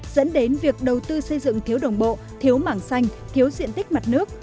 dẫn đến việc đầu tư xây dựng thiếu đồng bộ thiếu mảng xanh thiếu diện tích mặt nước